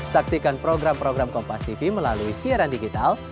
saksikan program program kompastv melalui siaran digital